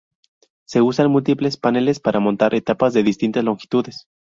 Se usan múltiples paneles para montar etapas de distintas longitudes.